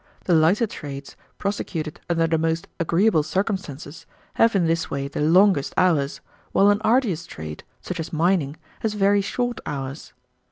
The lighter trades, prosecuted under the most agreeable circumstances, have in this way the longest hours, while an arduous trade, such as mining, has very short hours.